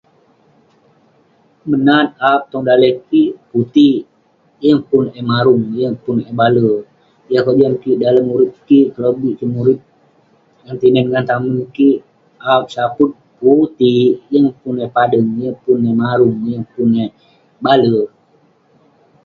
Menat aap tong daleh kik putik. Yeng pun eh marung, yeng pun eh baler. Yah kojam kik dalem urip kik, kelobik kik murip ngan tinen ngan tamen kik, aap saput putik. yeng pun eh padeng yeng pun eh marung yeng pun eh baler.